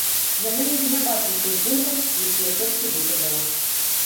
Яна не вінавата ў тых думках, якія толькі выказала.